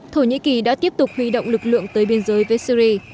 thổ nhĩ kỳ đã tiếp tục huy động lực lượng tới biên giới với syri